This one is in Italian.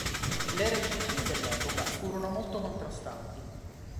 Le recensioni dell'epoca furono molto contrastanti.